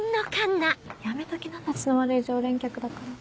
やめときなたちの悪い常連客だから。